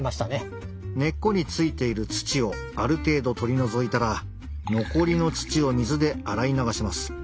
根っこに着いている土をある程度取り除いたら残りの土を水で洗い流します。